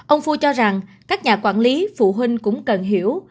ông phu cho rằng các nhà quản lý phụ huynh cũng cần hiểu